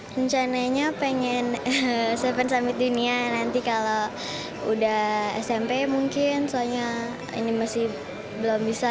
rencananya pengen seven summit dunia nanti kalau udah smp mungkin soalnya ini masih belum bisa